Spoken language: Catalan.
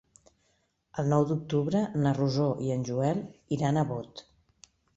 El nou d'octubre na Rosó i en Joel iran a Bot.